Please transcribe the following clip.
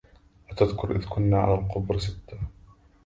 أتذكر إذ كنا على القبر ستة